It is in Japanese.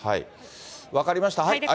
分かりました。